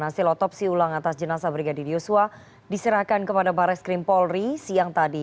hasil otopsi ulang atas jenazah brigadir yosua diserahkan kepada barres krim polri siang tadi